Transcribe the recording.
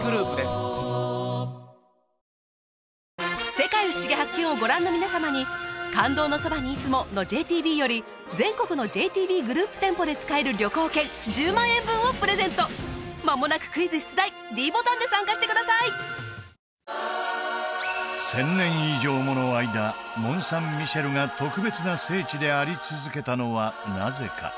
「世界ふしぎ発見！」をご覧の皆様に「感動のそばに、いつも。」のＪＴＢより全国のＪＴＢグループ店舗で使えるまもなくクイズ出題ｄボタンで参加してください１０００年以上もの間モン・サン・ミシェルが特別な聖地であり続けたのはなぜか？